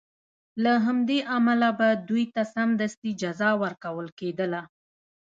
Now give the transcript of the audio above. له همدې امله به دوی ته سمدستي جزا ورکول کېدله.